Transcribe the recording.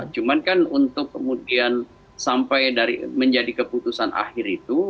cuman kan untuk kemudian sampai dari menjadi keputusan akhir itu